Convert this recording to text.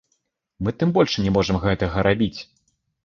Мы тым больш не можам гэтага рабіць.